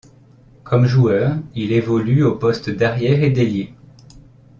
Comme joueur, il évolue aux postes d'arrière et d'ailier.